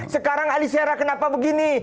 sekarang alisera kenapa begini